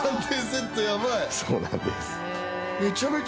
そうなんです。